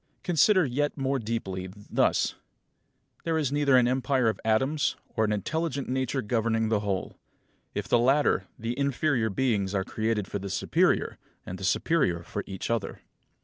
Consider yet more deeply, thus: There is either an empire of atoms, or an intelligent Nature governing the whole. If the latter, the inferior beings are created for the superior, and the superior for each other.